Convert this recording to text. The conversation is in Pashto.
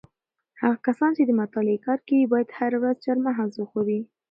هغه کسان چې د مطالعې کار کوي باید هره ورځ چهارمغز وخوري.